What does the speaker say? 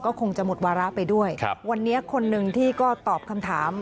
คงจะหมดวาระไปด้วยครับวันนี้คนหนึ่งที่ก็ตอบคำถาม